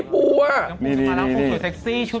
ดูดิตัวนี้เขาได้เข้าชุดบรูซ